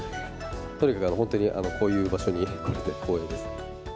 とにかく本当にこういう場所に来れて光栄です。